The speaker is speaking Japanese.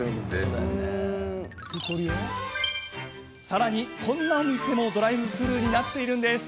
さらに、こんなお店もドライブスルーになってるんです。